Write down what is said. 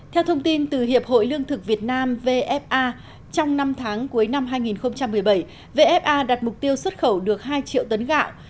theo thông tin từ hiệp hội lương thực việt nam vfa trong năm tháng cuối năm hai nghìn một mươi bảy vfa đặt mục tiêu xuất khẩu được hai triệu tấn gạo